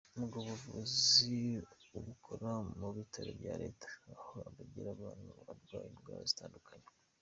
Ubwo buvuzi abukora mu bitaro bya Leta aho abagira ubuntu abarwaye indwara zitandukanye.